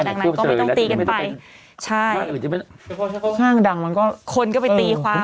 ดังนั้นก็ไม่ต้องตีกันไปคนก็ไปตีความ